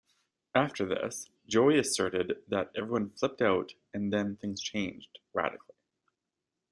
After this, Joey asserted that everyone flipped out and then things changed radically.